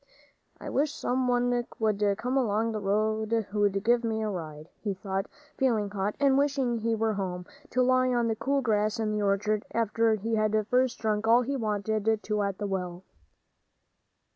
"I wish some one would come along who'd give me a ride," he thought, feeling hot, and wishing he were home, to lie on the cool grass in the orchard, after he had first drunk all he wanted to at the well.